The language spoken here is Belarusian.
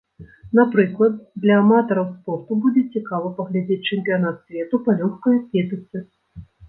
Напрыклад, для аматараў спорту будзе цікава паглядзець чэмпіянат свету па лёгкай атлетыцы.